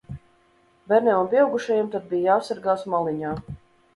Bērniem un pieaugušajiem tad bija jāsargās maliņā.